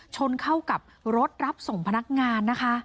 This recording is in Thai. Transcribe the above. ชนเข้ากับรถรับส่งพนักงานนะคะ